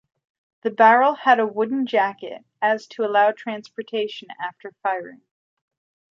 The barrel had a wooden jacket as to allow transportation after firing.